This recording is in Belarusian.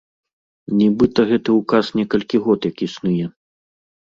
Нібыта гэты ўказ некалькі год як існуе.